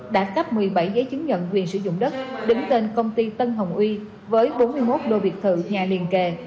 đã cấp một mươi bảy giấy chứng nhận quyền sử dụng đất đứng tên công ty tân hồng uy với bốn mươi một lô biệt thự nhà liền kề